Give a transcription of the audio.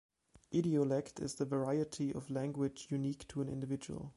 Idiolect is the variety of language unique to an individual.